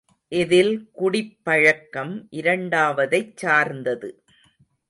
இதில் குடிப்பழக்கம் இரண்டாவதைச் சார்ந்தது.